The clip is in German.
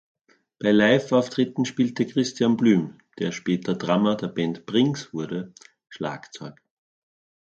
Bei Live-Auftritten spielte Christian Blüm, der später Drummer der Band Brings wurde, Schlagzeug.